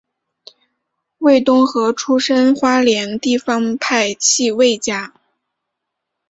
魏东河出身花莲地方派系魏家。